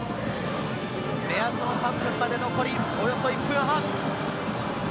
目安の３分まで残りおよそ１分半。